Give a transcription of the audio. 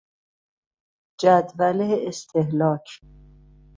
جدول استهلاک